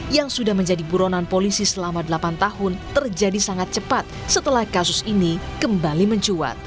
yang sudah menjadi buronan polisi selama delapan tahun terjadi sangat cepat setelah kasus ini kembali mencuat